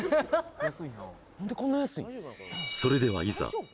それではいざ